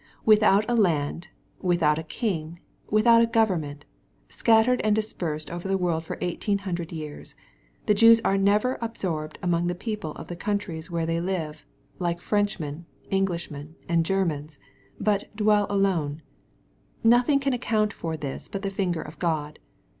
Without a land, without a king, without a government, scattered and dispersed over thfl world for eighteen hundred years, the Jews are never absorbed among the people of the countries where they live, like Frenchmen, Englishmen, and Germans, but ^^ dwell alone/' Nothing can account for this but the finger of God.